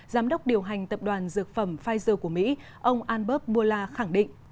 giám đốc điều hành tập đoàn dược phẩm pfizer của mỹ ông albert mula khẳng định